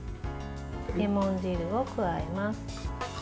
レモン汁を加えます。